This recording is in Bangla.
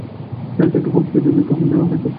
চারিদিকে বক্তৃতার বিজ্ঞাপন দেওয়া হইতেছে।